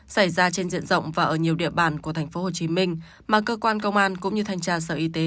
xảy ra trên diện rộng và ở nhiều địa bàn của tp hcm mà cơ quan công an cũng như thanh tra sở y tế